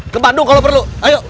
ke bandung kalau perlu ayo